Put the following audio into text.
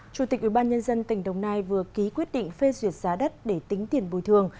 chủ tịch ủy ban nhân dân tỉnh đồng nai vừa ký quyết định phê duyệt giá đất để tính tiền bồi thường